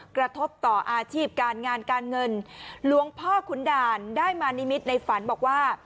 กระทบต่ออาชีพการงานการเงินหลวงพ่อขุนด่านได้มานิมิตในฝันบอกว่า